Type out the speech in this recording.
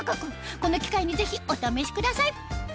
この機会にぜひお試しください